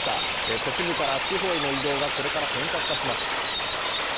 都市部から地方への移動がこれから本格化します。